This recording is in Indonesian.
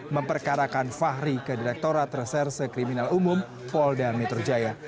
memperkarakan fahri ke direkturat reserse kriminal umum polda metro jaya